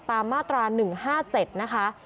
ตามมาตรา๑๕๗นะคะ